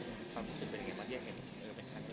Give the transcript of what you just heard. ก็อยากดูค่ะอยากดูมากเลย